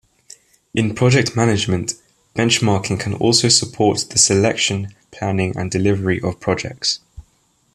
In project management benchmarking can also support the selection, planning and delivery of projects.